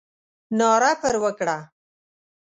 ناره پر وکړه.